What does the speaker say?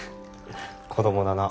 子供だな